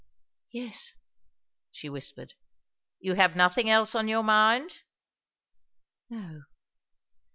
"Yes," she whispered. "You have nothing else on your mind?" "No."